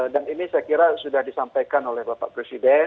dan ini saya kira sudah disampaikan oleh bapak presiden